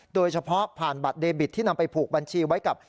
โดยเฉพาะผ่านบัตรเดบิตที่นำไปผูกบัญชีไว้กับ